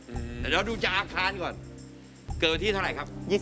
เดี๋ยวดูจากอาคารก่อนเกิดวันที่เท่าไหร่ครับ